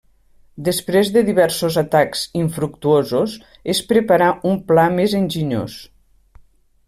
Després de diversos atacs infructuosos, es preparà un pla més enginyós.